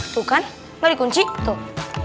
tuh kan gak di kunci tuh